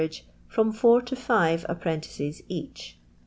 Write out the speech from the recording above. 'e, from four to five apprentices each.